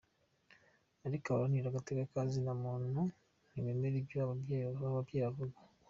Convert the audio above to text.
Ariko abaharanira agateka ka zina muntu ntibemera ivyo abo bavyeyi bavuga.